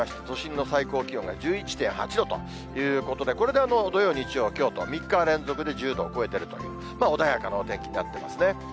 都心の最高気温が１１．８度ということで、これが土曜、日曜、きょうと３日連続で１０度を超えてるという、穏やかなお天気になってますね。